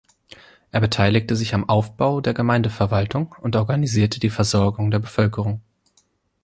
Er beteiligte sich am Aufbau der Gemeindeverwaltung und organisierte die Versorgung der Bevölkerung.